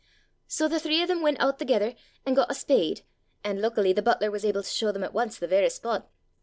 "So the three of them went oot thegither, an' got a spade; an' luckily the butler was able to show them at once the varra spot.